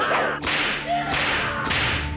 bukan saya tuan